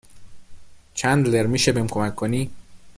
چندلر میشه بهم کمک کنی